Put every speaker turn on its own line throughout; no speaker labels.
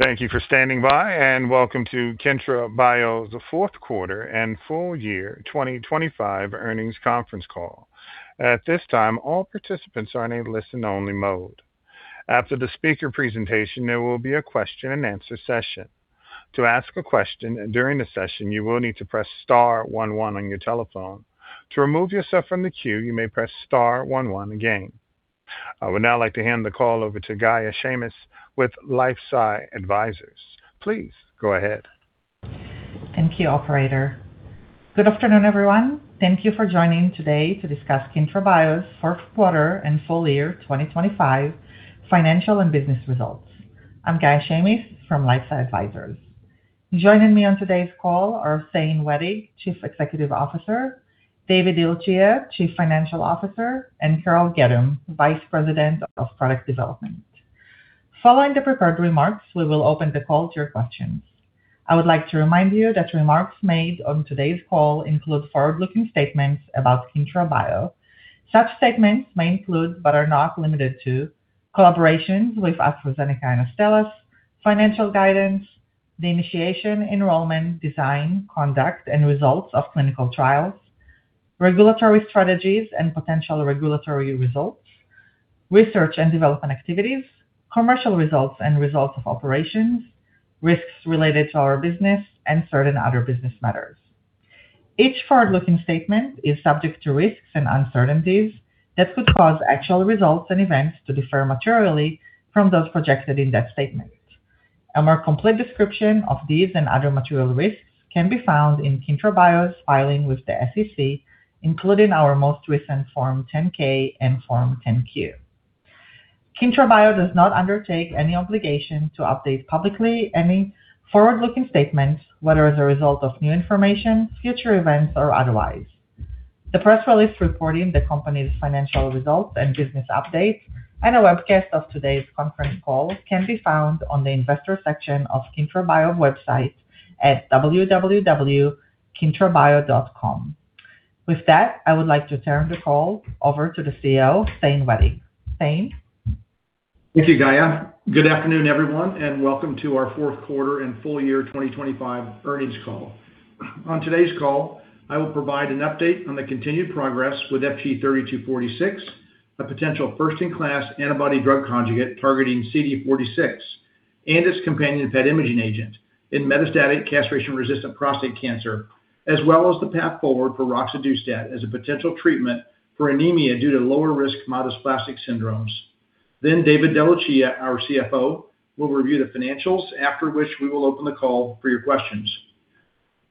Thank you for standing by, and welcome to Kyntra Bio's fourth quarter and full year 2025 earnings conference call. At this time, all participants are in a listen only mode. After the speaker presentation, there will be a question and answer session. To ask a question during the session, you will need to press star one one on your telephone. To remove yourself from the queue, you may press star one one again. I would now like to hand the call over to Gaia Vasiliver-Shamis with LifeSci Advisors. Please go ahead.
Thank you, operator. Good afternoon, everyone. Thank you for joining today to discuss Kyntra Bio's fourth quarter and full year 2025 financial and business results. I'm Gaia Vasiliver-Shamis from LifeSci Advisors. Joining me on today's call are Thane Wettig, Chief Executive Officer, David DeLucia, Chief Financial Officer, and Carol Gaddum, Vice President of Product Development. Following the prepared remarks, we will open the call to your questions. I would like to remind you that remarks made on today's call include forward-looking statements about Kyntra Bio. Such statements may include, but are not limited to, collaborations with AstraZeneca and Astellas, financial guidance, the initiation, enrollment, design, conduct, and results of clinical trials, regulatory strategies and potential regulatory results, research and development activities, commercial results and results of operations, risks related to our business and certain other business matters. Each forward-looking statement is subject to risks and uncertainties that could cause actual results and events to differ materially from those projected in that statement. A more complete description of these and other material risks can be found in Kyntra Bio's filing with the SEC, including our most recent Form 10-K and Form 10-Q. Kyntra Bio does not undertake any obligation to update publicly any forward-looking statements, whether as a result of new information, future events, or otherwise. The press release reporting the company's financial results and business updates and a webcast of today's conference call can be found on the investor section of Kyntra Bio's website at www.kyntrabio.com. With that, I would like to turn the call over to the CEO, Thane Wettig. Thane.
Thank you, Gaia. Good afternoon, everyone, and welcome to our fourth quarter and full year 2025 earnings call. On today's call, I will provide an update on the continued progress with FG-3246, a potential first-in-class antibody drug conjugate targeting CD46 and its companion PET imaging agent in metastatic castration-resistant prostate cancer, as well as the path forward for roxadustat as a potential treatment for anemia due to lower-risk myelodysplastic syndromes. Then David DeLucia, our CFO, will review the financials, after which we will open the call for your questions.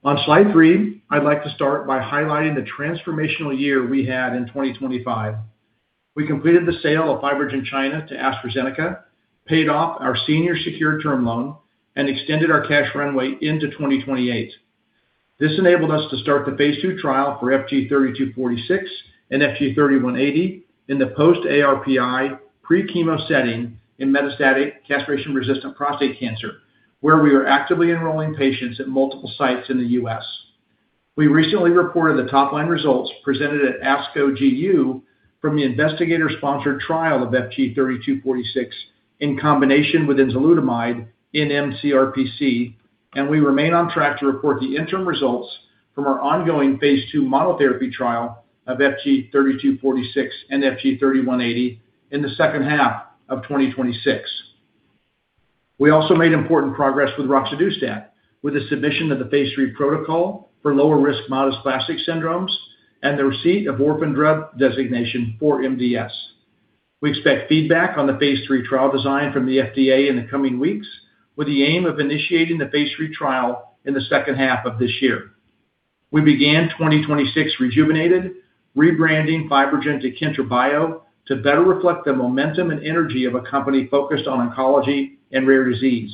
On slide three, I'd like to start by highlighting the transformational year we had in 2025. We completed the sale of FibroGen China to AstraZeneca, paid off our senior secured term loan and extended our cash runway into 2028. This enabled us to start the phase II trial for FG-3246 and FG-3180 in the post ARPI pre-chemo setting in metastatic castration-resistant prostate cancer, where we are actively enrolling patients at multiple sites in the U.S. We recently reported the top line results presented at ASCO GU from the investigator-sponsored trial of FG-3246 in combination with enzalutamide in mCRPC, and we remain on track to report the interim results from our ongoing phase II monotherapy trial of FG-3246 and FG-3180 in the second half of 2026. We also made important progress with roxadustat with the submission of the phase III protocol for lower risk myelodysplastic syndromes and the receipt of orphan drug designation for MDS. We expect feedback on the phase III trial design from the FDA in the coming weeks, with the aim of initiating the phase III trial in the second half of this year. We began 2026 rejuvenated rebranding FibroGen to Kyntra Bio to better reflect the momentum and energy of a company focused on oncology and rare disease.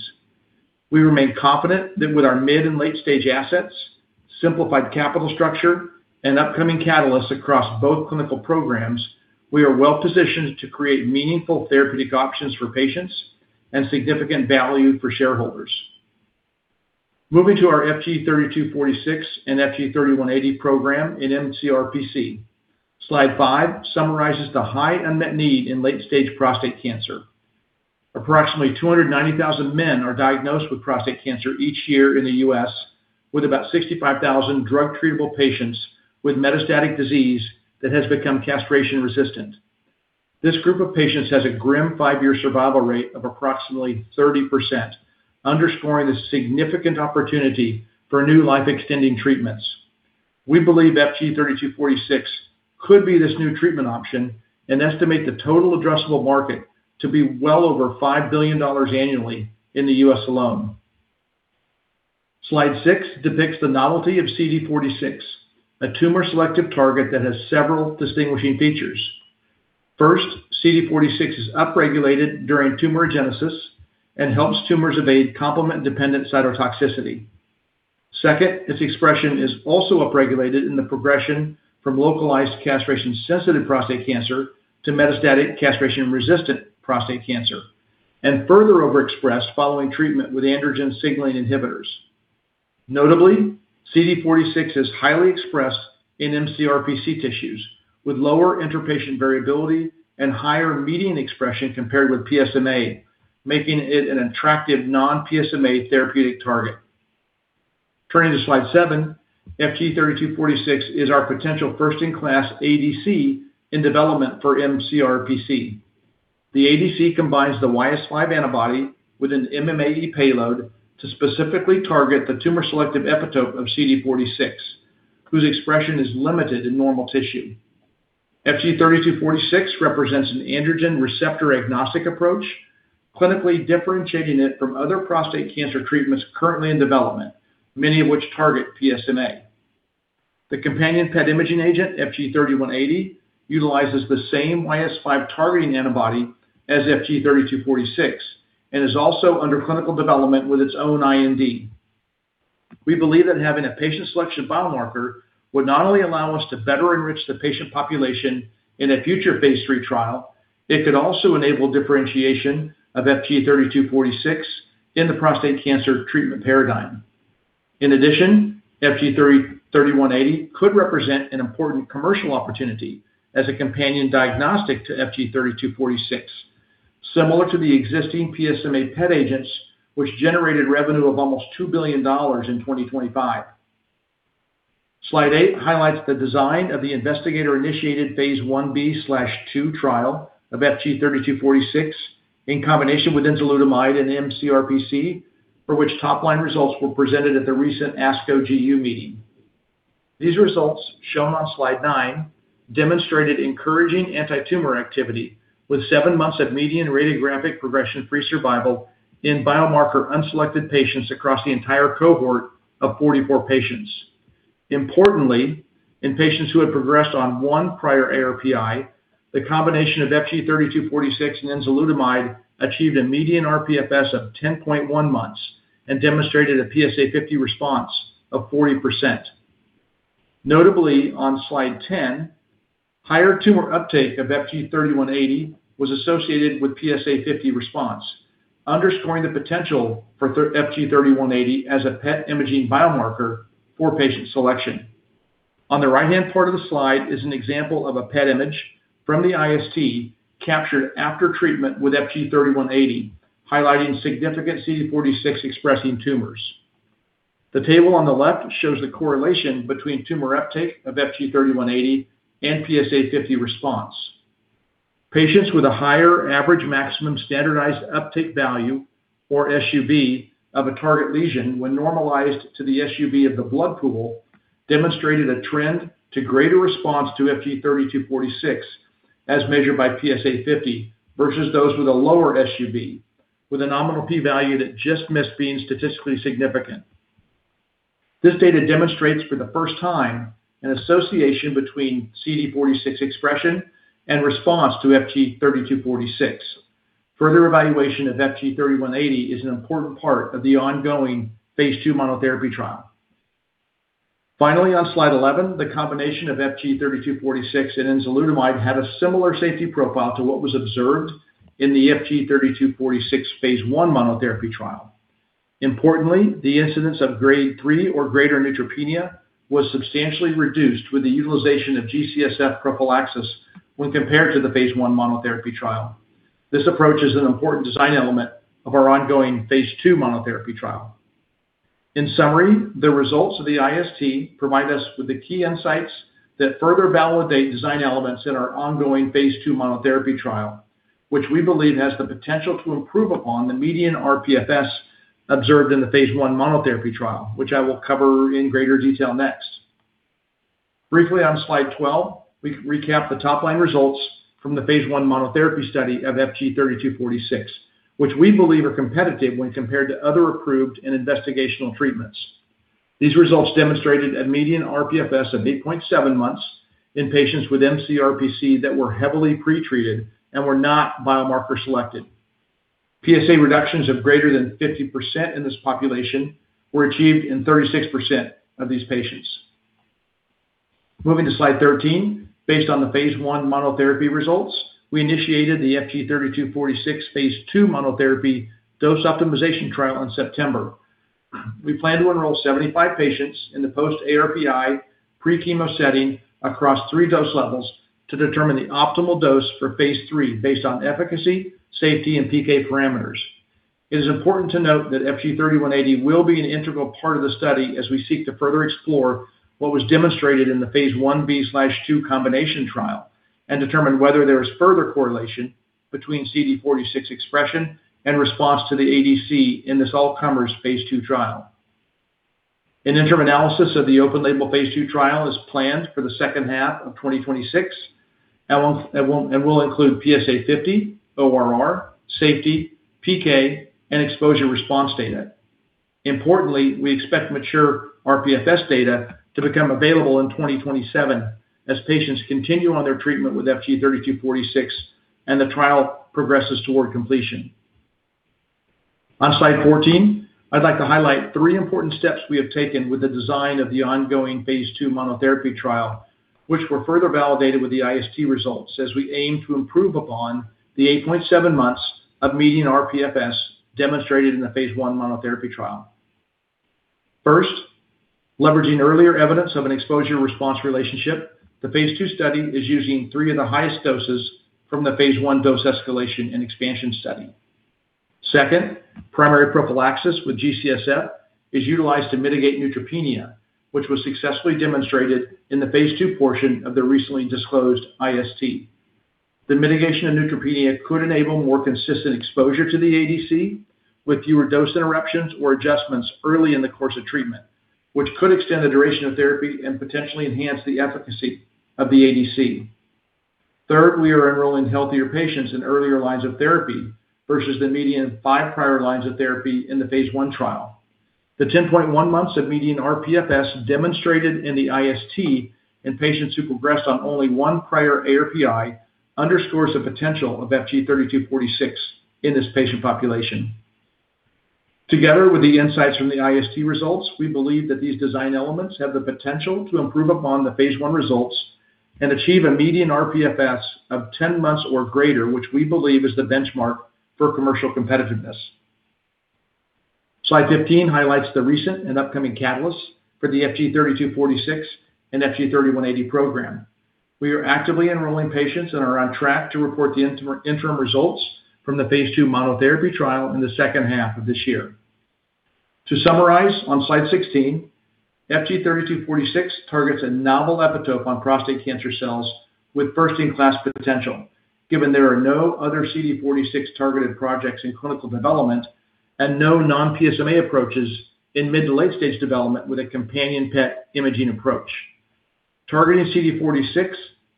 We remain confident that with our mid and late-stage assets, simplified capital structure and upcoming catalysts across both clinical programs, we are well-positioned to create meaningful therapeutic options for patients and significant value for shareholders. Moving to our FG-3246 and FG-3180 program in mCRPC. Slide five summarizes the high unmet need in late-stage prostate cancer. Approximately 290,000 men are diagnosed with prostate cancer each year in the U.S., with about 65,000 drug treatable patients with metastatic disease that has become castration resistant. This group of patients has a grim five-year survival rate of approximately 30%, underscoring the significant opportunity for new life-extending treatments. We believe FG-3246 could be this new treatment option and estimate the total addressable market to be well over $5 billion annually in the U.S. alone. Slide six depicts the novelty of CD46, a tumor-selective target that has several distinguishing features. First, CD46 is upregulated during tumorigenesis and helps tumors evade complement-dependent cytotoxicity. Second, its expression is also upregulated in the progression from localized castration-sensitive prostate cancer to metastatic castration-resistant prostate cancer, and further overexpressed following treatment with androgen signaling inhibitors. Notably, CD46 is highly expressed in mCRPC tissues with lower interpatient variability and higher median expression compared with PSMA, making it an attractive non-PSMA therapeutic target. Turning to slide seven, FG-3246 is our potential first in class ADC in development for mCRPC. The ADC combines the YS5 antibody with an MMAE payload to specifically target the tumor selective epitope of CD46, whose expression is limited in normal tissue. FG-3246 represents an androgen receptor agnostic approach, clinically differentiating it from other prostate cancer treatments currently in development, many of which target PSMA. The companion PET imaging agent, FG-3180, utilizes the same YS5 targeting antibody as FG-3246 and is also under clinical development with its own IND. We believe that having a patient selection biomarker would not only allow us to better enrich the patient population in a future phase III trial, it could also enable differentiation of FG-3246 in the prostate cancer treatment paradigm. FG-3180 could represent an important commercial opportunity as a companion diagnostic to FG-3246, similar to the existing PSMA PET agents, which generated revenue of almost $2 billion in 2025. Slide eight highlights the design of the investigator-initiated phase I-B/II trial of FG-3246 in combination with enzalutamide in mCRPC, for which top-line results were presented at the recent ASCO GU meeting. These results, shown on slide nine, demonstrated encouraging antitumor activity with seven months of median radiographic progression-free survival in biomarker-unselected patients across the entire cohort of 44 patients. Importantly, in patients who had progressed on one prior ARPI, the combination of FG-3246 and enzalutamide achieved a median RPFS of 10.1 months and demonstrated a PSA50 response of 40%. Notably, on slide 10, higher tumor uptake of FG-3180 was associated with PSA50 response, underscoring the potential for FG-3180 as a PET imaging biomarker for patient selection. On the right-hand part of the slide is an example of a PET image from the IST captured after treatment with FG-3180, highlighting significant CD46 expressing tumors. The table on the left shows the correlation between tumor uptake of FG-3180 and PSA50 response. Patients with a higher average maximum standardized uptake value or SUV of a target lesion when normalized to the SUV of the blood pool demonstrated a trend to greater response to FG-3246 as measured by PSA50 versus those with a lower SUV with a nominal p-value that just missed being statistically significant. This data demonstrates for the first time an association between CD46 expression and response to FG-3246. Further evaluation of FG-3180 is an important part of the ongoing phase II monotherapy trial. Finally, on slide 11, the combination of FG-3246 and enzalutamide had a similar safety profile to what was observed in the FG-3246 phase I monotherapy trial. Importantly, the incidence of grade three or greater neutropenia was substantially reduced with the utilization of GCSF prophylaxis when compared to the phase I monotherapy trial. This approach is an important design element of our ongoing phase II monotherapy trial. In summary, the results of the IST provide us with the key insights that further validate design elements in our ongoing phase II monotherapy trial, which we believe has the potential to improve upon the median RPFS observed in the phase I monotherapy trial, which I will cover in greater detail next. Briefly on slide 12, we recap the top line results from the phase I monotherapy study of FG-3246, which we believe are competitive when compared to other approved and investigational treatments. These results demonstrated a median RPFS of 8.7 months in patients with mCRPC that were heavily pretreated and were not biomarker selected. PSA reductions of greater than 50% in this population were achieved in 36% of these patients. Moving to slide 13, based on the phase I monotherapy results, we initiated the FG-3246 phase II monotherapy dose optimization trial in September. We plan to enroll 75 patients in the post ARPI pre-chemo setting across three dose levels to determine the optimal dose for phase III based on efficacy, safety, and PK parameters. It is important to note that FG-3180 will be an integral part of the study as we seek to further explore what was demonstrated in the phase I-B/II combination trial and determine whether there is further correlation between CD46 expression and response to the ADC in this all comers phase II trial. An interim analysis of the open label phase II trial is planned for the second half of 2026 and will include PSA50, ORR, safety, PK, and exposure response data. Importantly, we expect mature RPFS data to become available in 2027 as patients continue on their treatment with FG-3246 and the trial progresses toward completion. On slide 14, I'd like to highlight three important steps we have taken with the design of the ongoing phase II monotherapy trial, which were further validated with the IST results as we aim to improve upon the 8.7 months of median RPFS demonstrated in the phase I monotherapy trial. First, leveraging earlier evidence of an exposure-response relationship, the phase II study is using three of the highest doses from the phase I dose escalation and expansion study. Second, primary prophylaxis with GCSF is utilized to mitigate neutropenia, which was successfully demonstrated in the phase II portion of the recently disclosed IST. The mitigation of neutropenia could enable more consistent exposure to the ADC with fewer dose interruptions or adjustments early in the course of treatment, which could extend the duration of therapy and potentially enhance the efficacy of the ADC. Third, we are enrolling healthier patients in earlier lines of therapy versus the median five prior lines of therapy in the phase I trial. The 10.1 months of median RPFS demonstrated in the IST in patients who progressed on only one prior ARPI underscores the potential of FG-3246 in this patient population. Together with the insights from the IST results, we believe that these design elements have the potential to improve upon the phase I results and achieve a median RPFS of 10 months or greater, which we believe is the benchmark for commercial competitiveness. Slide 15 highlights the recent and upcoming catalysts for the FG-3246 and FG-3180 program. We are actively enrolling patients and are on track to report the interim results from the phase II monotherapy trial in the second half of this year. To summarize on slide 16, FG-3246 targets a novel epitope on prostate cancer cells with first-in-class potential, given there are no other CD46 targeted projects in clinical development and no non-PSMA approaches in mid to late-stage development with a companion PET imaging approach. Targeting CD46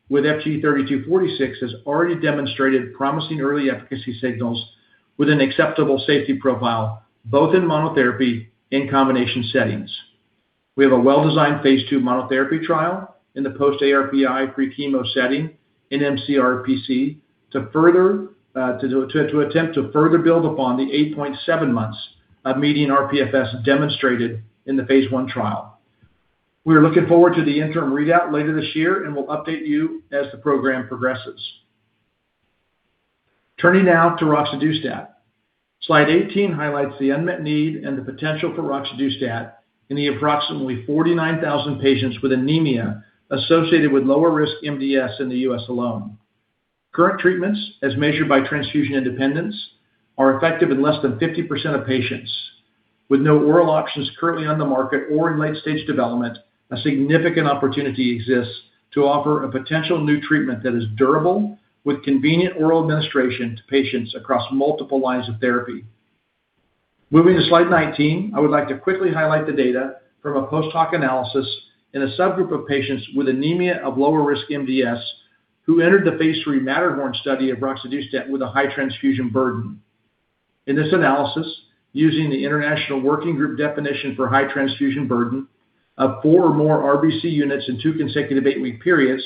with FG-3246 has already demonstrated promising early efficacy signals with an acceptable safety profile, both in monotherapy and combination settings. We have a well-designed phase II monotherapy trial in the post ARPI, pre-chemo setting in mCRPC to attempt to further build upon the 8.7 months of median RPFS demonstrated in the phase I trial. We are looking forward to the interim readout later this year, and we'll update you as the program progresses. Turning now to roxadustat. Slide 18 highlights the unmet need and the potential for roxadustat in the approximately 49,000 patients with anemia associated with lower risk MDS in the U.S. alone. Current treatments, as measured by transfusion independence, are effective in less than 50% of patients. With no oral options currently on the market or in late-stage development, a significant opportunity exists to offer a potential new treatment that is durable with convenient oral administration to patients across multiple lines of therapy. Moving to slide 19, I would like to quickly highlight the data from a post-hoc analysis in a subgroup of patients with anemia of lower risk MDS who entered the phase III MATTERHORN study of roxadustat with a high transfusion burden. In this analysis, using the International Working Group definition for high transfusion burden of four or more RBC units in two consecutive eight-week periods,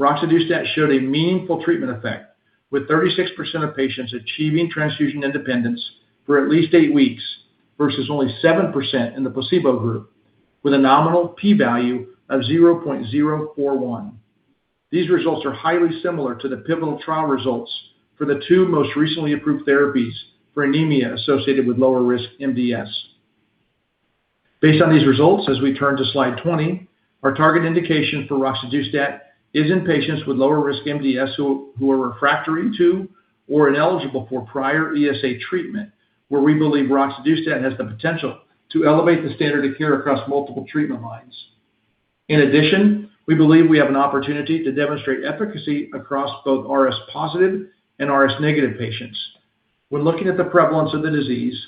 roxadustat showed a meaningful treatment effect, with 36% of patients achieving transfusion independence for at least eight weeks, versus only 7% in the placebo group, with a nominal P-value of 0.041. These results are highly similar to the pivotal trial results for the two most recently approved therapies for anemia associated with lower risk MDS. Based on these results, as we turn to slide 20, our target indication for roxadustat is in patients with lower risk MDS who are refractory to or ineligible for prior ESA treatment, where we believe roxadustat has the potential to elevate the standard of care across multiple treatment lines. In addition, we believe we have an opportunity to demonstrate efficacy across both RS-positive and RS-negative patients. When looking at the prevalence of the disease,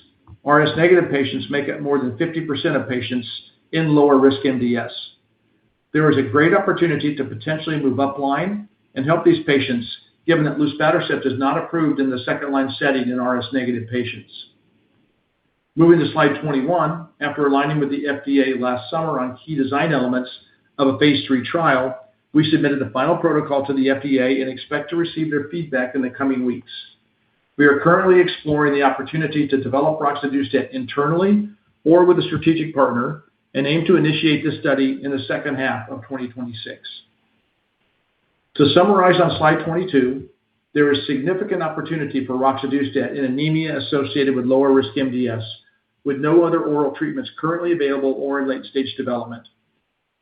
RS-negative patients make up more than 50% of patients in lower-risk MDS. There is a great opportunity to potentially move up line and help these patients, given that luspatercept is not approved in the second line setting in RS-negative patients. Moving to slide 21, after aligning with the FDA last summer on key design elements of a phase III trial, we submitted the final protocol to the FDA and expect to receive their feedback in the coming weeks. We are currently exploring the opportunity to develop roxadustat internally or with a strategic partner and aim to initiate this study in the second half of 2026. To summarize on slide 22, there is significant opportunity for roxadustat in anemia associated with lower risk MDS, with no other oral treatments currently available or in late-stage development.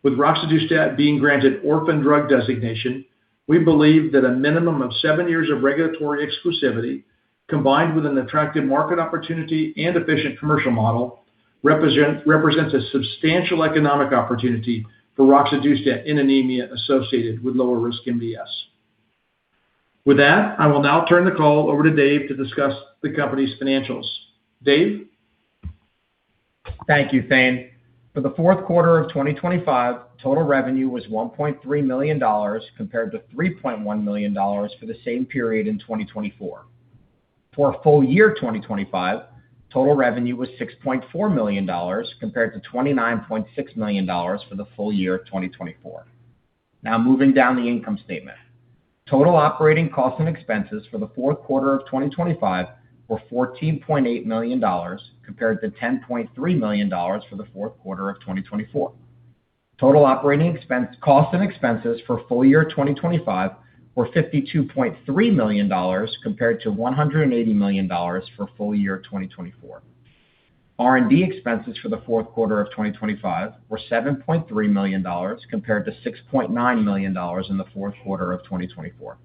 With roxadustat being granted Orphan Drug Designation, we believe that a minimum of seven years of regulatory exclusivity, combined with an attractive market opportunity and efficient commercial model, represents a substantial economic opportunity for roxadustat in anemia associated with lower risk MDS. With that, I will now turn the call over to Dave to discuss the company's financials. Dave?
Thank you, Thane. For the fourth quarter of 2025, total revenue was $1.3 million compared to $3.1 million for the same period in 2024. For full year 2025, total revenue was $6.4 million compared to $29.6 million for the full year of 2024. Now moving down the income statement. Total operating costs and expenses for the fourth quarter of 2025 were $14.8 million compared to $10.3 million for the fourth quarter of 2024. Total operating costs and expenses for full year 2025 were $52.3 million compared to $180 million for full year 2024. R&D expenses for the fourth quarter of 2025 were $7.3 million compared to $6.9 million in the fourth quarter of 2024.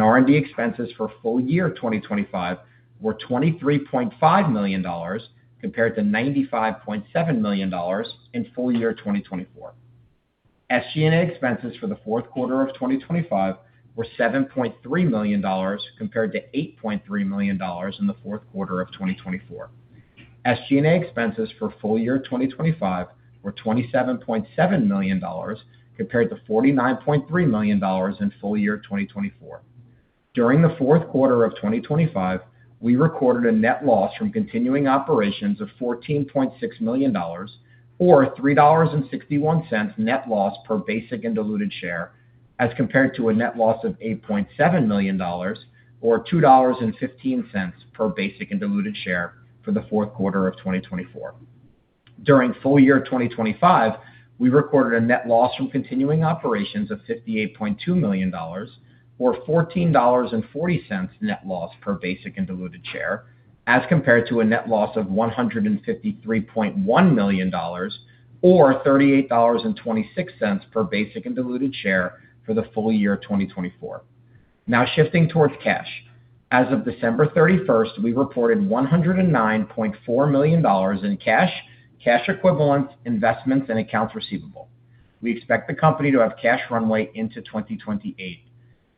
R&D expenses for full year 2025 were $23.5 million compared to $95.7 million in full year 2024. SG&A expenses for the fourth quarter of 2025 were $7.3 million compared to $8.3 million in the fourth quarter of 2024. SG&A expenses for full year 2025 were $27.7 million compared to $49.3 million in full year 2024. During the fourth quarter of 2025, we recorded a net loss from continuing operations of $14.6 million or $3.61 net loss per basic and diluted share, as compared to a net loss of $8.7 million or $2.15 per basic and diluted share for the fourth quarter of 2024. During full year 2025, we recorded a net loss from continuing operations of $58.2 million or $14.40 net loss per basic and diluted share, as compared to a net loss of $153.1 million or $38.26 per basic and diluted share for the full year of 2024. Now shifting towards cash. As of December 31st, we reported $109.4 million in cash equivalents, investments and accounts receivable. We expect the company to have cash runway into 2028.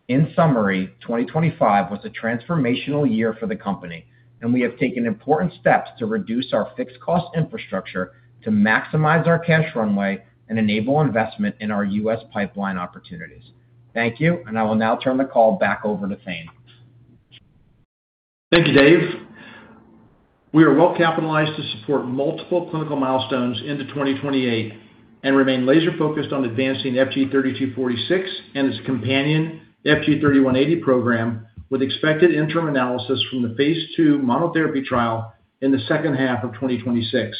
In summary, 2025 was a transformational year for the company, and we have taken important steps to reduce our fixed cost infrastructure to maximize our cash runway and enable investment in our U.S. pipeline opportunities. Thank you, and I will now turn the call back over to Thane.
Thank you, Dave. We are well-capitalized to support multiple clinical milestones into 2028 and remain laser-focused on advancing FG-3246 and its companion FG-3180 program, with expected interim analysis from the phase II monotherapy trial in the second half of 2026.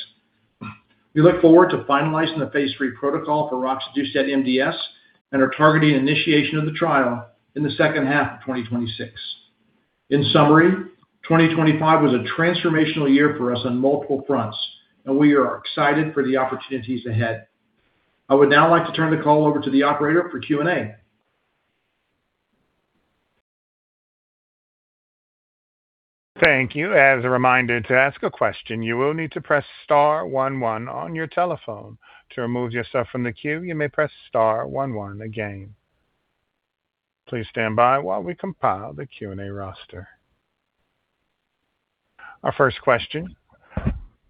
We look forward to finalizing the phase III protocol for roxadustat MDS and are targeting initiation of the trial in the second half of 2026. In summary, 2025 was a transformational year for us on multiple fronts, and we are excited for the opportunities ahead. I would now like to turn the call over to the operator for Q&A.
Thank you. As a reminder, to ask a question, you will need to press star one one on your telephone. To remove yourself from the queue, you may press star one one again. Please stand by while we compile the Q&A roster. Our first question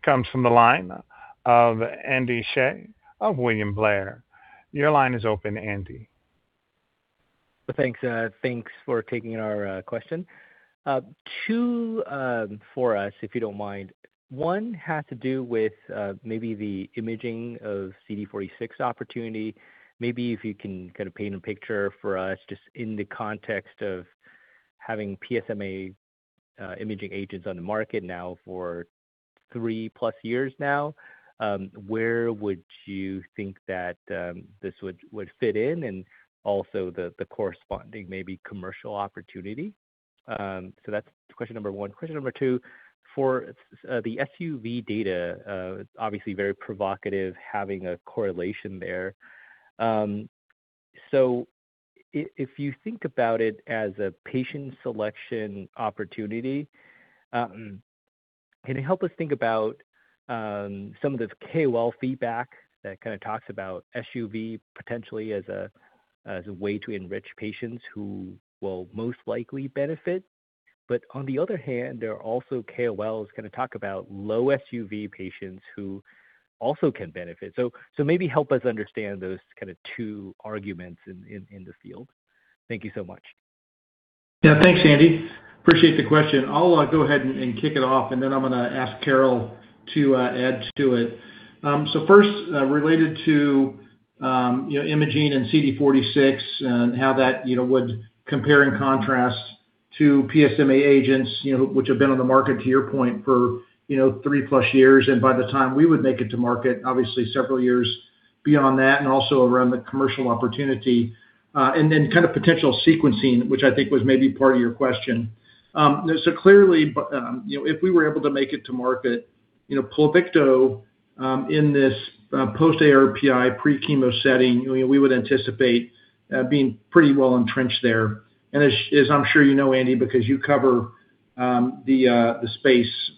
comes from the line of Andy Hsieh of William Blair. Your line is open, Andy.
Thanks, thanks for taking our question. Two for us, if you don't mind. One has to do with maybe the imaging of CD46 opportunity. Maybe if you can kind of paint a picture for us just in the context of having PSMA imaging agents on the market now for three plus years now, where would you think that this would fit in and also the corresponding maybe commercial opportunity? That's question number one. Question number two, so the SUV data, it's obviously very provocative having a correlation there. If you think about it as a patient selection opportunity, can you help us think about some of the KOL feedback that kind of talks about SUV potentially as a way to enrich patients who will most likely benefit. On the other hand, there are also KOLs kind of talk about low SUV patients who also can benefit. So maybe help us understand those kind of two arguments in the field. Thank you so much.
Yeah. Thanks, Andy. Appreciate the question. I'll go ahead and kick it off, and then I'm gonna ask Carole to add to it. First, related to, you know, imaging and CD46 and how that, you know, would compare and contrast to PSMA agents, you know, which have been on the market, to your point, for, you know, three-plus years. By the time we would make it to market, obviously several years beyond that and also around the commercial opportunity, and then kind of potential sequencing, which I think was maybe part of your question. Clearly, you know, if we were able to make it to market, you know, Pluvicto, in this, post-ARPI, pre-chemo setting, you know, we would anticipate, being pretty well entrenched there. I'm sure you know, Andy, because you cover the space,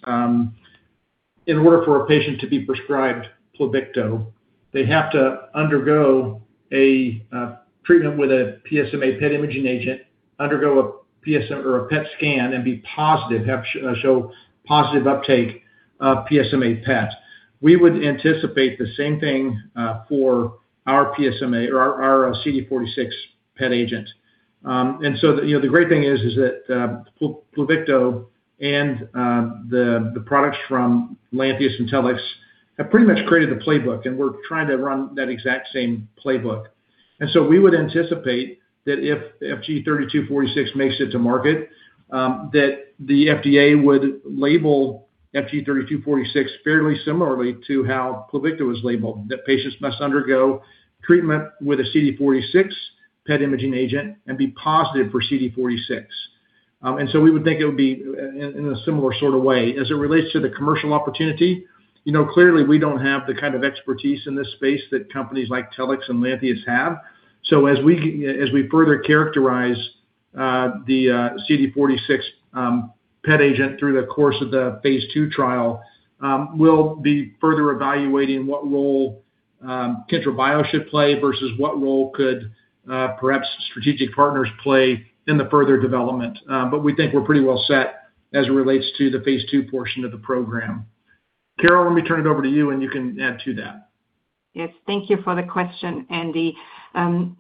in order for a patient to be prescribed Pluvicto, they have to undergo a treatment with a PSMA PET imaging agent, undergo a PSMA or a PET scan and be positive, show positive uptake of PSMA PET. We would anticipate the same thing, for our PSMA or our CD46 PET agent. The great thing is that Pluvicto and the products from Lantheus and Telix have pretty much created the playbook, and we're trying to run that exact same playbook. We would anticipate that if FG-3246 makes it to market, that the FDA would label FG-3246 fairly similarly to how Pluvicto was labeled, that patients must undergo treatment with a CD46 PET imaging agent and be positive for CD46. We would think it would be in a similar sort of way. As it relates to the commercial opportunity, you know, clearly we don't have the kind of expertise in this space that companies like Telix and Lantheus have. As we further characterize the CD46 PET agent through the course of the phase II trial, we'll be further evaluating what role Kyntra Bio should play versus what role could perhaps strategic partners play in the further development. We think we're pretty well set as it relates to the phase II portion of the program. Carol, let me turn it over to you, and you can add to that.
Yes. Thank you for the question, Andy Hsieh.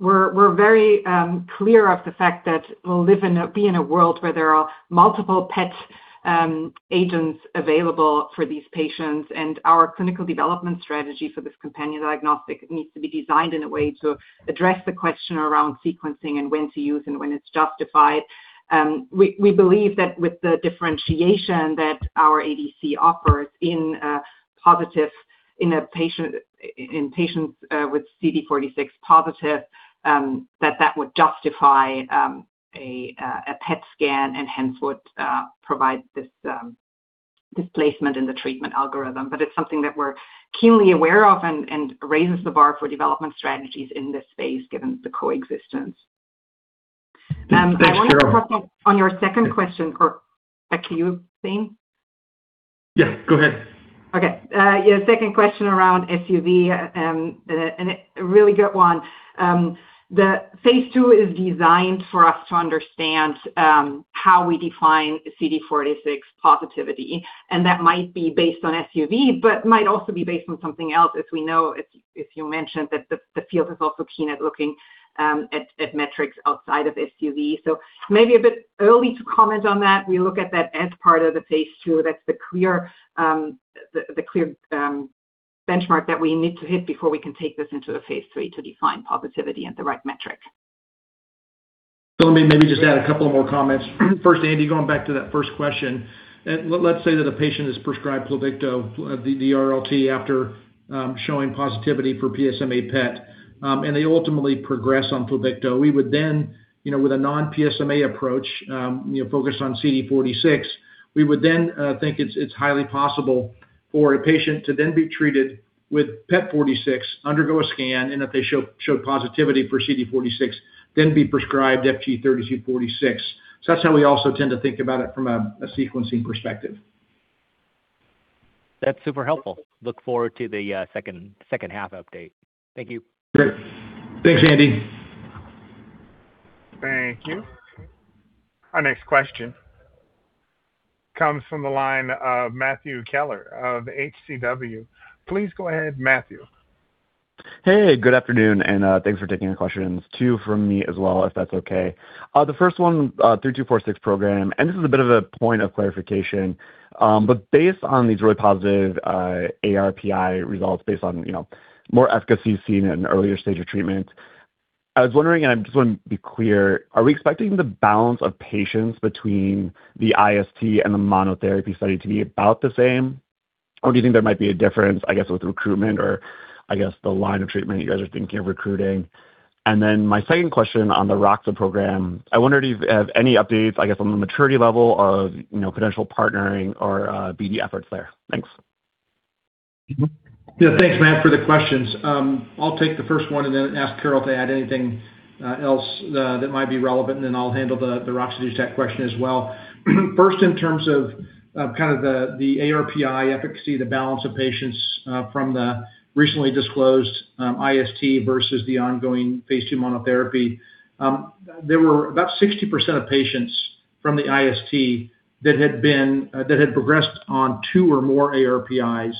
We're very clear of the fact that we'll be in a world where there are multiple PET agents available for these patients, and our clinical development strategy for this companion diagnostic needs to be designed in a way to address the question around sequencing and when to use and when it's justified. We believe that with the differentiation that our ADC offers in positive in patients with CD46 positive that that would justify a PET scan and hence would provide this placement in the treatment algorithm. It's something that we're keenly aware of and raises the bar for development strategies in this space given the coexistence.
Thanks, Carol.
I wanted to touch on your second question or back to you, Thane.
Yeah, go ahead.
Okay. Yeah, second question around SUV, and a really good one. The phase II is designed for us to understand how we define CD 46 positivity, and that might be based on SUV, but might also be based on something else as we know, as you mentioned, that the field is also keen at looking at metrics outside of SUV. Maybe a bit early to comment on that. We look at that as part of the phase II. That's the clear benchmark that we need to hit before we can take this into the phase III to define positivity and the right metric.
Let me maybe just add a couple more comments. First, Andy, going back to that first question, let's say that a patient is prescribed Pluvicto, the RLT after showing positivity for PSMA PET, and they ultimately progress on Pluvicto. We would then, you know, with a non-PSMA approach, you know, focus on CD46, we would then think it's highly possible for a patient to then be treated with FG-3180, undergo a scan, and if they show positivity for CD46, then be prescribed FG-3246. That's how we also tend to think about it from a sequencing perspective.
That's super helpful. Look forward to the second half update. Thank you.
Great. Thanks, Andy.
Thank you. Our next question comes from the line of Matthew Keller of H.C. Wainwright. Please go ahead, Matthew.
Hey, good afternoon, thanks for taking the questions. Two from me as well, if that's okay. The first one, FG-3246 program, this is a bit of a point of clarification. Based on these really positive ARPI results based on, you know, more efficacy seen in an earlier stage of treatment, I was wondering, I just wanna be clear, are we expecting the balance of patients between the IST and the monotherapy study to be about the same? Or do you think there might be a difference, I guess, with recruitment or, I guess, the line of treatment you guys are thinking of recruiting? Then my second question on the roxadustat program, I wonder if you have any updates, I guess, on the maturity level of, you know, potential partnering or BD efforts there. Thanks.
Yeah, thanks, Matt, for the questions. I'll take the first one and then ask Carol to add anything else that might be relevant, and then I'll handle the roxadustat question as well. First, in terms of kind of the ARPI efficacy, the balance of patients from the recently disclosed IST versus the ongoing phase II monotherapy, there were about 60% of patients from the IST that had progressed on two or more ARPIs,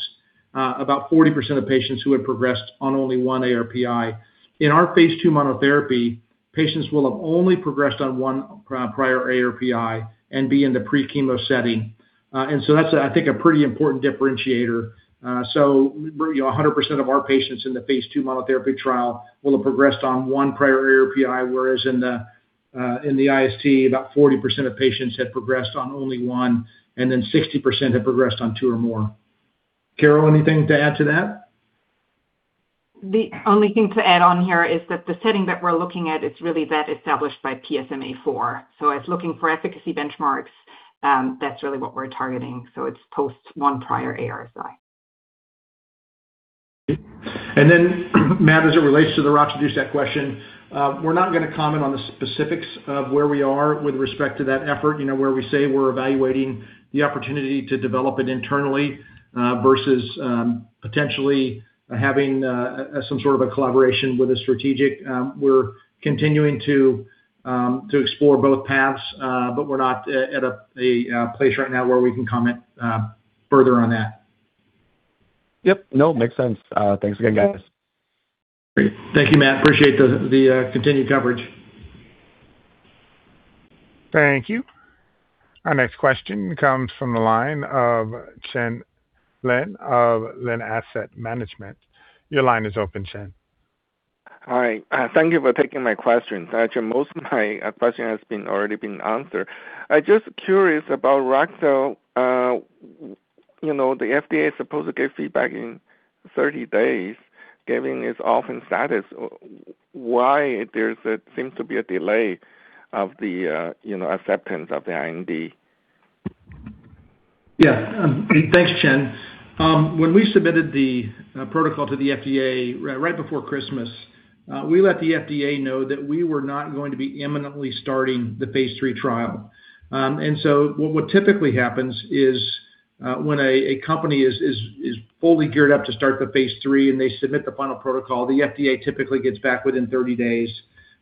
about 40% of patients who had progressed on only one ARPI. In our phase II monotherapy, patients will have only progressed on one prior ARPI and be in the pre-chemo setting. That's, I think, a pretty important differentiator. You know, 100% of our patients in the phase II monotherapy trial will have progressed on one prior ARPI, whereas in the IST, about 40% of patients had progressed on only one, and then 60% have progressed on two or more. Carol, anything to add to that?
The only thing to add on here is that the setting that we're looking at is really that established by PSMAfore. As looking for efficacy benchmarks, that's really what we're targeting. It's post one prior ARSI.
Matt, as it relates to the roxadustat question, we're not gonna comment on the specifics of where we are with respect to that effort. You know, where we say we're evaluating the opportunity to develop it internally, versus potentially having some sort of a collaboration with a strategic. We're continuing to explore both paths, but we're not at a place right now where we can comment further on that.
Yep. No, makes sense. Thanks again, guys.
Great. Thank you, Matt. Appreciate the continued coverage.
Thank you. Our next question comes from the line of Chen Lin of Lin Asset Management. Your line is open, Chen.
Hi. Thank you for taking my questions. Actually, most of my question has already been answered. I just curious about ROXA. You know, the FDA is supposed to give feedback in 30 days, giving its orphan status. Why there seems to be a delay of the acceptance of the IND?
Yeah. Thanks, Chen. When we submitted the protocol to the FDA right before Christmas, we let the FDA know that we were not going to be imminently starting the phase III trial. What would typically happen is, when a company is fully geared up to start the phase III and they submit the final protocol, the FDA typically gets back within 30 days.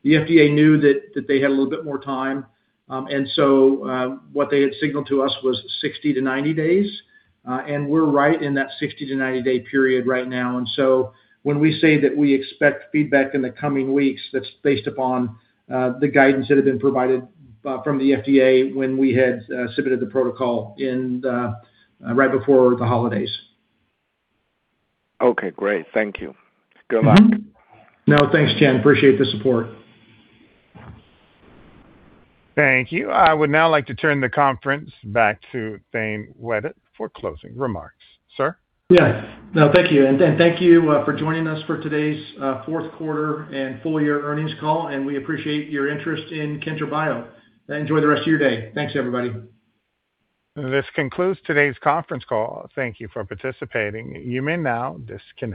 The FDA knew that they had a little bit more time, and so what they had signaled to us was 60-90 days, and we're right in that 60-90-day period right now. When we say that we expect feedback in the coming weeks, that's based upon the guidance that had been provided from the FDA when we had submitted the protocol right before the holidays.
Okay, great. Thank you. Good luck.
No, thanks, Chen. Appreciate the support.
Thank you. I would now like to turn the conference back to Thane Wettig for closing remarks. Sir?
Yes. No, thank you. Thank you for joining us for today's fourth quarter and full year earnings call, and we appreciate your interest in Kyntra Bio. Enjoy the rest of your day. Thanks, everybody.
This concludes today's conference call. Thank you for participating. You may now disconnect.